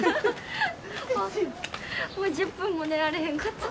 もう１０分も寝られへんかった。